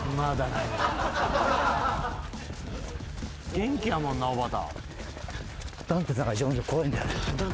元気やもんなおばた。